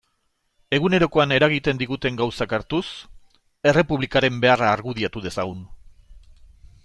Egunerokoan eragiten diguten gauzak hartuz, Errepublikaren beharra argudiatu dezagun.